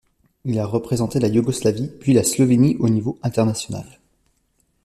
Il a représenté la Yougoslavie puis la Slovénie au niveau international.